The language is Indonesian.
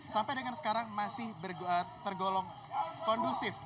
sampai dengan sekarang masih tergolong kondusif